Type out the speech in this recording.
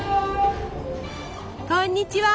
こんにちは。